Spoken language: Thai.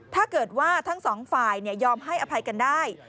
ถ้าเกิดว่าทั้งสองฝ่ายยอมให้อภัยกันได้